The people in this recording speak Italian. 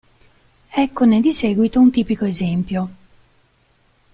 Eccone di seguito un tipico esempio.